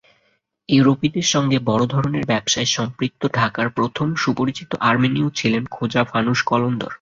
ইউরোপীদের সঙ্গে বড় ধরনের ব্যবসায়ে সম্পৃক্ত ঢাকার প্রথম সুপরিচিত আর্মেনীয় ছিলেন খোজা ফানুস কলন্দর।